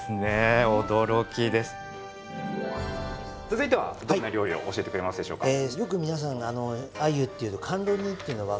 続いてはどんな料理を教えてくれますでしょうか？